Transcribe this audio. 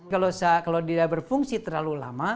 kalau tidak berfungsi terlalu lama